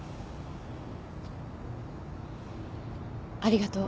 ありがとう。